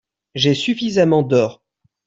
J'ai suffisamment d'or.